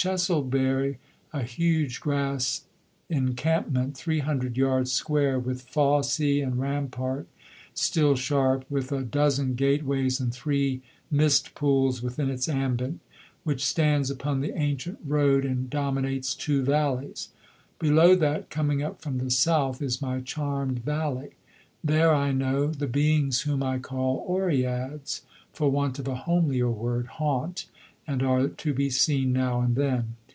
Chesilbury, a huge grass encampment, three hundred yards square, with fosse and rampart still sharp, with a dozen gateways and three mist pools within its ambit, which stands upon the ancient road and dominates two valleys. Below that, coming up from the south, is my charmed valley. There, I know, the beings whom I call Oreads, for want of a homelier word, haunt and are to be seen now and then.